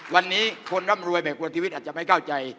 วันนี้คนร่ำรวยแบบพลชีวิตอาจจะไม่เข้าใจ